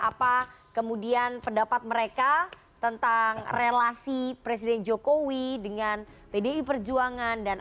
apa kemudian pendapat mereka tentang relasi presiden jokowi dengan pdi perjuangan